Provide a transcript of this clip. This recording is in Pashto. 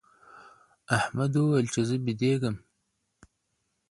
احمد وویل چي زه بېدېږم.